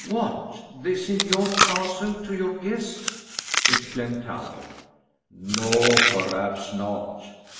"What! This in your castle to your guest?" exclaimed Talbot. "No, perhaps not.